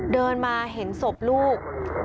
เดินมาเห็นศพลูก